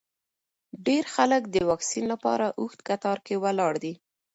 ډېر خلک د واکسین لپاره اوږده کتار کې ولاړ دي.